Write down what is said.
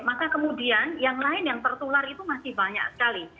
maka kemudian yang lain yang tertular itu masih banyak sekali